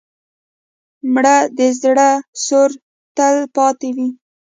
مړه د زړه سوره تل پاتې وي